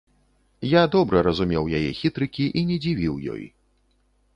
Я добра разумеў яе хітрыкі і не дзівіў ёй.